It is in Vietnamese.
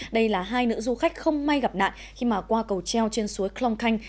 đây là hai nữ du khách không may gặp nạn khi mà qua cầu treo trên suối klong khanh